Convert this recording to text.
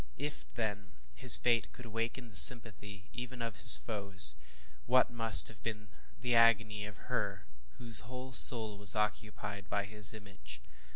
If, then, his fate could awaken the sympathy even of his foes, what must have been the agony of her, whose whole soul was occupied by his image?